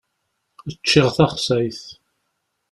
Ččiɣ taxsayt.